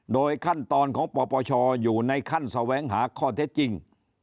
โดยขั้นตอนของปปชอยู่ในขั้นแสวงหาข้อเท็จจริง